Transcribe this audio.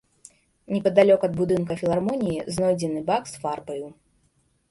Непадалёк ад будынка філармоніі знойдзены бак з фарбаю.